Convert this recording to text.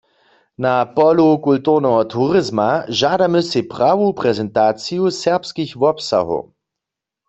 Na polu kulturneho turizma žadamy sej prawu prezentaciju serbskich wobsahow.